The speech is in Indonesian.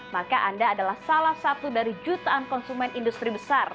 maka anda adalah salah satu dari jutaan konsumen industri besar